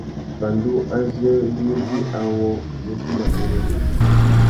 Pandú azê ngu mú djï awô, ngu mú timba mbérénó.